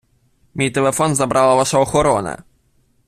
Мій телефон забрала ваша охорона.